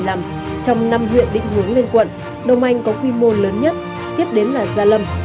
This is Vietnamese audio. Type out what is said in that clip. trong năm huyện định hướng lên quận đông anh có quy mô lớn nhất tiếp đến là gia lâm